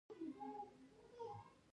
باسواده ښځې د نرسنګ په برخه کې کار کوي.